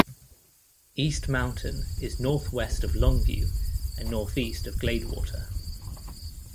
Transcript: East Mountain is northwest of Longview and northeast of Gladewater.